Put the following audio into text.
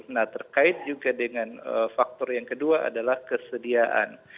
nah terkait juga dengan faktor yang kedua adalah kesediaan